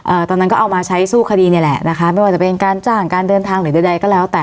ตอนนั้นก็เอามาใช้สู้คดีนี่แหละนะคะไม่ว่าจะเป็นการจ้างการเดินทางหรือใดใดก็แล้วแต่